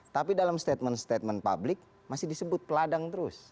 tapi dalam statement statement publik masih disebut peladang terus